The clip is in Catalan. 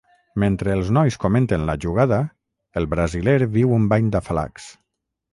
Mentre els nois comenten la jugada, el brasiler viu un bany d'afalacs.